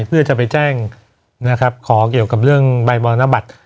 เพื่อจะไปแจ้งนะครับขอเกี่ยวกับเรื่องใบมรณบัตร